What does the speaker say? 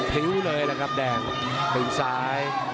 ผิวเลยนะครับแดงผิวซ้าย